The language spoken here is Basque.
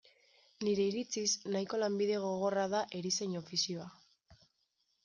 Nire iritziz, nahiko lanbide gogorra da erizain ofizioa.